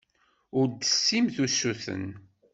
Ur d-tessimt usuten.